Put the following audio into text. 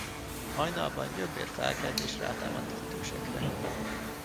Hajnalban Gyömbér felkelt és rátámadt az idősekre.